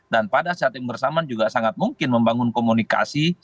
dan pada saat yang bersamaan juga sangat mungkin membangun komunikasi